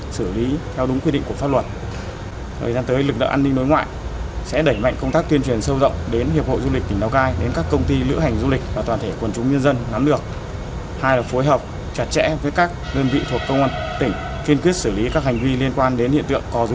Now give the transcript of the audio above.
xử lý theo đúng quyết định của pháp luật